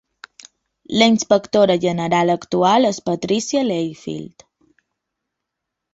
La inspectora general actual és Patricia Layfield.